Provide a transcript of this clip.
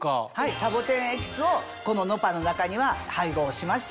サボテンエキスをｎｏｐａの中には配合しました。